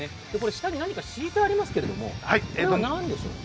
下に何か敷いてありますけど何でしょうか。